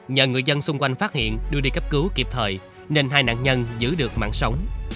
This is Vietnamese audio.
nhờ người dân xung quanh phát hiện đưa đi cấp cứu kịp thời nên hai nạn nhân giữ được mạng sống